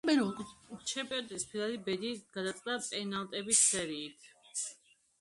ჩემპიონატის ფინალის ბედი გადაწყდა პენალტების სერიით.